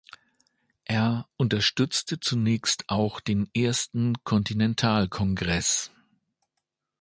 Er unterstützte zunächst auch den Ersten Kontinentalkongress.